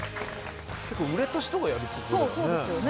結構売れた人がやる事だよね？